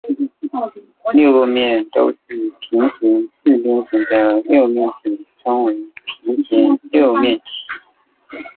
六个面都是平行四边形的六面体称为平行六面体。